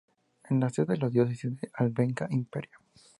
Es la sede de la Diócesis de Albenga-Imperia.